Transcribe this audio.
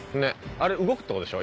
あれ動くって事でしょ？